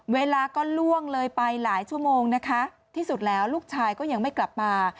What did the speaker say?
เวลาก็ล่วงเลยไปหลายชั่วโมงนะคะที่สุดแล้วลูกชายก็ยังไม่กลับมา